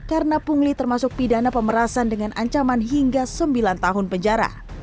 karena punggli termasuk pidana pemerasan dengan ancaman hingga sembilan tahun penjara